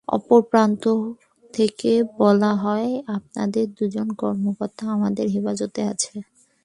অপর প্রান্ত থেকে বলা হয়, আপনাদের দুজন কর্মকর্তা আমাদের হেফাজতে আছে।